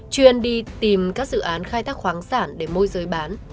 chuyên đi tìm các dự án khai thác khoáng sản để môi giới bán